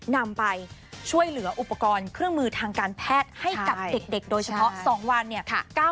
นำไปช่วยเหลืออุปกรณ์เครื่องมือทางการแพทย์ให้กับเด็กโดยเฉพาะ๒วันเนี่ย